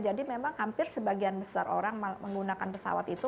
jadi memang hampir sebagian besar orang menggunakan pesawat itu